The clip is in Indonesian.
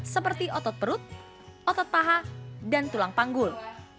seperti otot perut otot paha dan tulang panggul